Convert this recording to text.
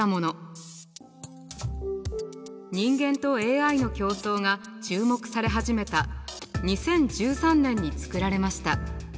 人間とＡＩの競争が注目され始めた２０１３年に作られました。